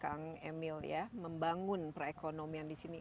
kita sudah membangun perekonomian di sini